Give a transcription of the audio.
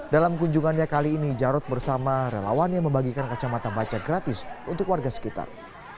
dalam kunjungannya kali ini jarod bersama relawannya membagikan kacamata baca gratis untuk warga sekitar